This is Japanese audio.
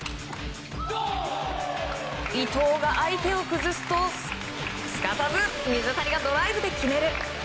伊藤が相手を崩すと、すかさず水谷がドライブで決める。